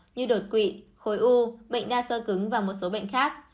như đột quỵ khối u bệnh đa sơ cứng và một số bệnh khác